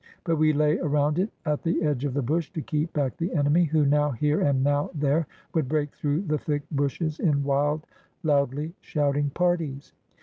But we lay around it at the edge of the bush to keep back the enemy, who now here and now there would break through the thick bushes in wild, loudly shouting parties.